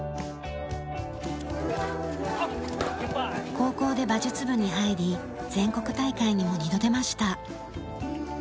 高校で馬術部に入り全国大会にも２度出ました。